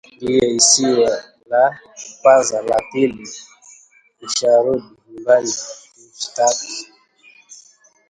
"Ndiyo! Isiwe la kwanza la pili usharudi nyumbani kushtaki